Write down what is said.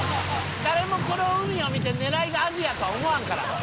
誰もこの海を見て狙いがアジやとは思わんから。